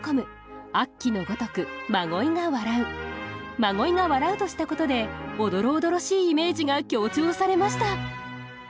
「真鯉が笑う」としたことでおどろおどろしいイメージが強調されました